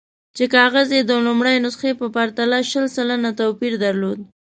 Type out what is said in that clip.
چې کاغذ یې د لومړۍ نسخې په پرتله شل سلنه توپیر درلود.